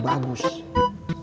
dan kamu baik